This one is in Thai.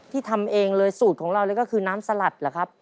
ทำเองเลยสูตรของเราเลยก็คือน้ำสลัดเหรอครับ